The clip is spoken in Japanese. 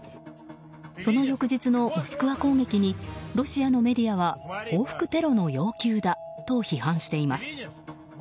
その翌日のモスクワ攻撃にロシアのメディアは報復テロの要求だと批判しています。